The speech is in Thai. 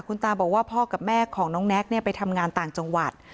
คุณตาบอกว่าพ่อกับแม่ของน้องแน็กไปทำงานต่างจังหวัด